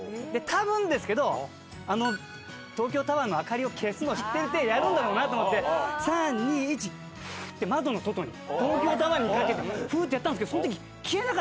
たぶんですけど東京タワーの明かりを消すのを知っててやるんだろうなと思って「３・２・１フーッ」って窓の外に東京タワーにフーッてやったんすけど。